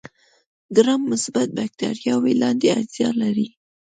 ګرام مثبت بکټریاوې لاندې اجزا لري.